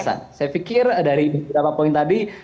saya pikir dari beberapa poin tadi